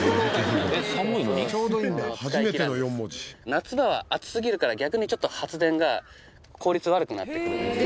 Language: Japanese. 夏場は暑すぎるから逆にちょっと発電が効率悪くなってくるんですよ。